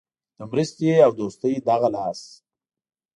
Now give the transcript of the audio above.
د مرستې او دوستۍ دغه لاس.